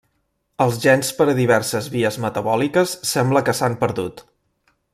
Els gens per a diverses vies metabòliques sembla que s'han perdut.